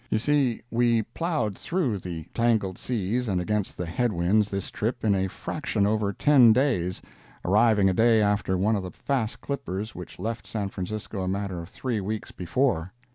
You see we plowed through the tangled seas and against the head winds this trip in a fraction over ten days, arriving a day after one of the fast clippers which left San Francisco a matter of three weeks before.